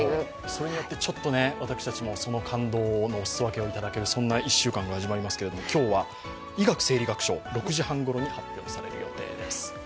それによって、私たちも感動のお裾分けがいただける、そんな１週間が始まりますけれども今日は医学生理学賞６時半ごろに発表される予定です。